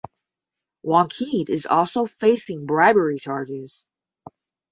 Wankhede is also facing bribery charges.